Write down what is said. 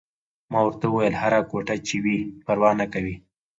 ما ورته وویل: هره کوټه چې وي، پروا نه کوي.